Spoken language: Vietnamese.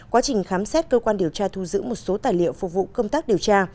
quá trình khám xét cơ quan điều tra thu giữ một số tài liệu phục vụ công tác điều tra